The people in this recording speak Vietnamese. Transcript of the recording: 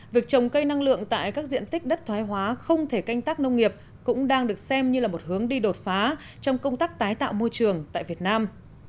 việc trồng cây năng lượng tại các diện tích đất thoái hóa không thể canh tác nông nghiệp cũng đang được xem như là một hướng đi đột phá trong công tác tái tạo môi trường tại việt nam